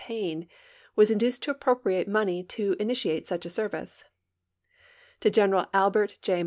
Paine, was induced to api)roi)riate money to initiate such a service. To General All)ert J.